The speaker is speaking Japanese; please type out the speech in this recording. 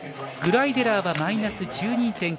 グライデラーはマイナス１２．９。